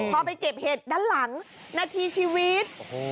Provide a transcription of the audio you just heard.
พอไปเก็บเห็ดด้านหลังนาทีชีวิต